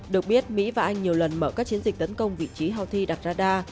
được biết mỹ và anh nhiều lần mở các chiến dịch tấn công vị trí houthi đặt rada